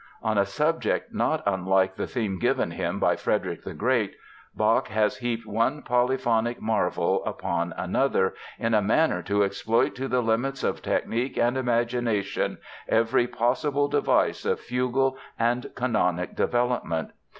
On a subject not unlike the theme given him by Frederick the Great, Bach has heaped one polyphonic marvel upon another in a manner to exploit to the limits of technique and imagination every possible device of fugal and canonic development.